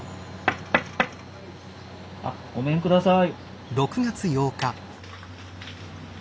ごめんください。